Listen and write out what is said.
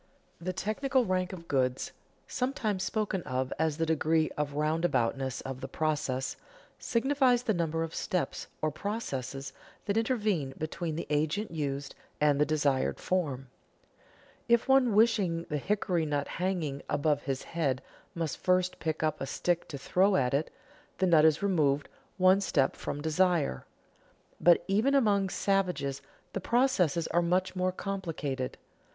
_ The technical rank of goods (sometimes spoken of as the degree of roundaboutness of the process) signifies the number of steps or processes that intervene between the agent used and the desired form. If one wishing the hickory nut hanging above his head must first pick up a stick to throw at it, the nut is removed one step from desire. But even among savages the processes are much more complicated.